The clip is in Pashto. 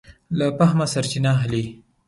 له فهمه سرچینه اخلي.